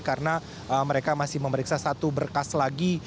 karena mereka masih memeriksa satu berkas lagi